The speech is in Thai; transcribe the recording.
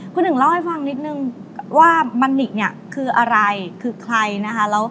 คุณหนึ่งเล่าให้ฟังนิดนึงว่ามันนิกเนี่ยคืออะไรคือใครนะคะ